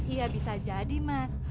iya bisa jadi mas